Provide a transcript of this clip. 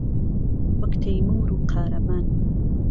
وەک تەيموور و قارهمان